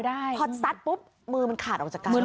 พอซัดปุ๊บมือมันขาดออกจากกัน